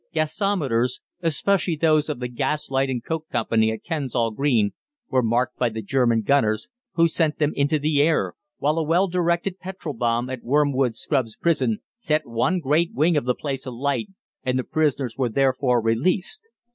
Gasometers, especially those of the Gas Light and Coke Company at Kensal Green, were marked by the German gunners, who sent them into the air; while a well directed petrol bomb at Wormwood Scrubs Prison set one great wing of the place alight, and the prisoners were therefore released.